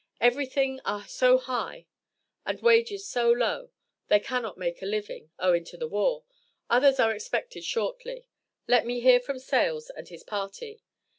Every thing are so high and wages so low They cannot make a living (owing to the War) others are Expected shortly let me hear from Sales and his Party.